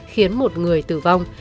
khiến một người tử vong